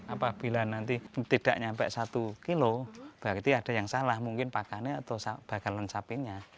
apabila nanti tidak sampai satu kilo berarti ada yang salah mungkin pakannya atau bakal lengkapinnya